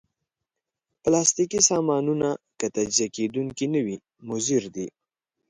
پلاستيکي سامانونه که تجزیه کېدونکي نه وي، مضر دي.